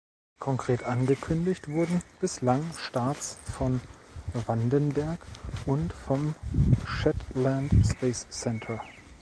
Konkret angekündigt wurden bislang Starts von Vandenberg und vom Shetland Space Centre.